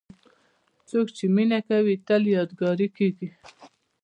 څوک چې مینه کوي، تل یادګاري کېږي.